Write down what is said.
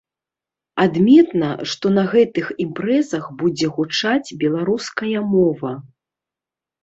Адметна, што на гэтых імпрэзах будзе гучаць беларуская мова.